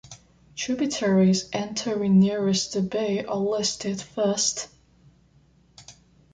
Tributaries entering nearest the bay are listed first.